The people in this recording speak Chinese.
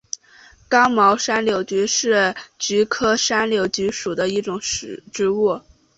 刚毛山柳菊是菊科山柳菊属的植物。